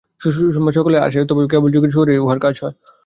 সুষুম্না সকলের মধ্যেই আছে বটে, তবে কেবল যোগীর শরীরেই উহার কাজ হয়।